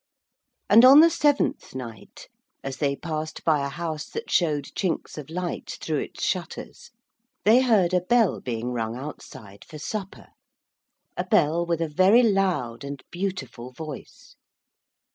And on the seventh night, as they passed by a house that showed chinks of light through its shutters, they heard a bell being rung outside for supper, a bell with a very loud and beautiful voice.